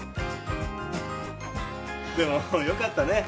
でもよかったね。